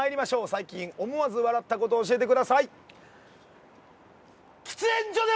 最近思わず笑った事を教えてください。